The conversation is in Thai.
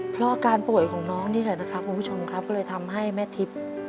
เพราะอาการป่วยของน้องนี่แหละนะครับคุณผู้ชมครับก็เลยทำให้แม่ทิพย์